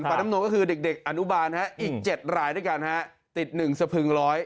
น้ำนมก็คือเด็กอนุบาลอีก๗รายด้วยกันฮะติด๑สะพึง๑๐๐